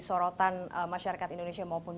sorotan masyarakat indonesia maupun